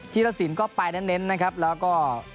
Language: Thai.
รสินก็ไปเน้นนะครับแล้วก็